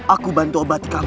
aku bantu obati kamu rai